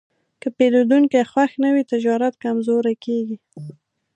که پیرودونکی خوښ نه وي، تجارت کمزوری کېږي.